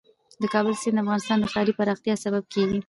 د کابل سیند د افغانستان د ښاري پراختیا سبب کېږي.